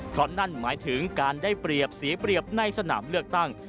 เพราะนั่นหมายถึงการได้เปรียบเสียเปรียบในสนามเลือกตั้ง